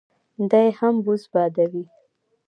دی هم بوس بادوي.